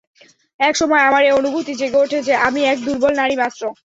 এক সময় আমার এ অনুভূতি জেগে ওঠে যে, আমি এক দুর্বল নারী মাত্র।